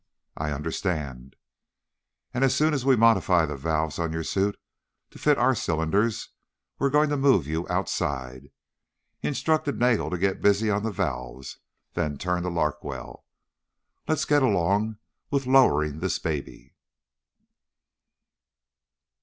"I understand." "As soon as we modify the valves on your suit to fit our cylinders we're going to move you outside." He instructed Nagel to get busy on the valves, then turned to Larkwell. "Let's get along with lowering this baby."